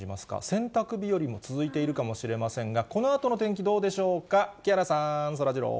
洗濯日和も続いているかもしれませんが、このあとの天気どうでしょうか。